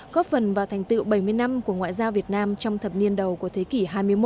góp phần vào thành tựu bảy mươi năm của ngoại giao việt nam trong thập niên đầu của thế kỷ hai mươi một